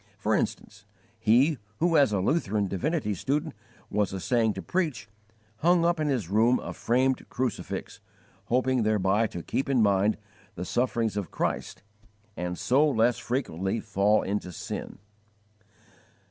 For instance, he who, as a Lutheran divinity student, was essaying to preach, hung up in his room a framed crucifix, hoping thereby to keep in mind the sufferings of Christ and so less frequently fall into sin.